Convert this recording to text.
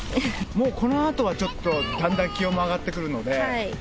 もうこのあとはちょっと、だんだん気温も上がってくるので？